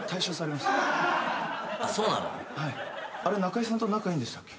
中居さんと仲いいんでしたっけ。